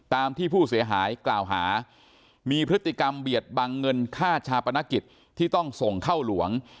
ตามที่ผู้เสียหายกล่าวหามีพฤติกรรมเบียดบังเงินค่าชาปนกิจที่ต้องส่งเข้าหลวง